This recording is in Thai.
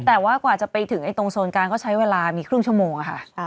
แต่ว่ากว่าจะไปถึงตรงโซนกลางก็ใช้เวลามีครึ่งชั่วโมงค่ะ